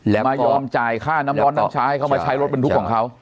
แล้วก็อนจ่ายค่าน้ำรดน้ำชายเข้ามาใช้รถบรรทุกของเขา